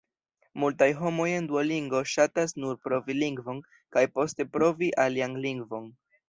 Multaj homoj en Duolingo ŝatas nur provi lingvon kaj poste provi alian lingvon.